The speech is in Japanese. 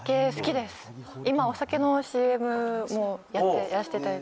今お酒のＣＭもやらせていただいて。